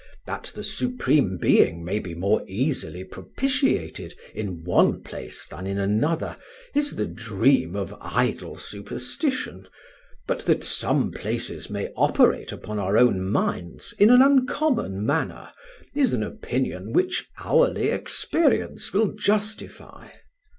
That the Supreme Being may be more easily propitiated in one place than in another is the dream of idle superstition, but that some places may operate upon our own minds in an uncommon manner is an opinion which hourly experience will justify.